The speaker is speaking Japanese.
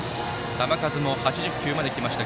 球数も８０球まで来ました